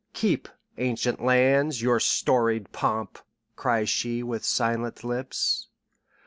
"Keep, ancient lands, your storied pomp!" cries sheWith silent lips.